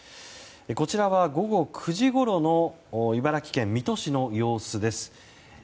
こちらは午後９時ごろの茨城県水戸市の様子です。